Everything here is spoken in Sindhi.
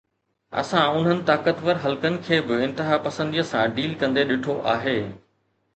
اسان انهن طاقتور حلقن کي به انتهاپسنديءَ سان ڊيل ڪندي ڏٺو آهي.